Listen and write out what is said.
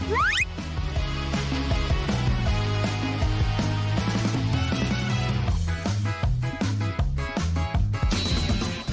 มีความอุดหัวออกเป็นแรก